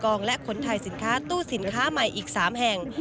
และขนถ่ายสินค้าตู้สินค้าใหม่อีก๓แห่ง